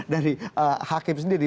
dari hakim sendiri